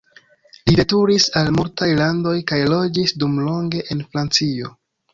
Li veturis al multaj landoj kaj loĝis dumlonge en Francio.